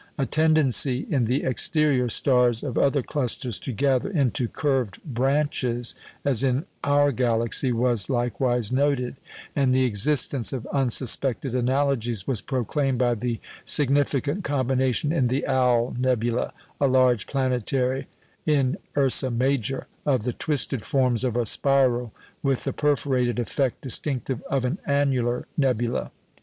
A tendency in the exterior stars of other clusters to gather into curved branches (as in our Galaxy) was likewise noted; and the existence of unsuspected analogies was proclaimed by the significant combination in the "Owl" nebula (a large planetary in Ursa Major) of the twisted forms of a spiral with the perforated effect distinctive of an annular nebula.